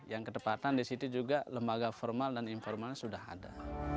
yang kedepatan disitu juga lembaga formal dan informal sudah ada